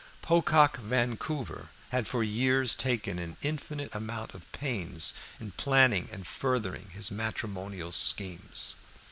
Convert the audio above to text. Pocock Vancouver had for years taken an infinite amount of pains in planning and furthering his matrimonial schemes.